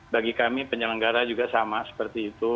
bagi kami penyelenggara juga sama seperti itu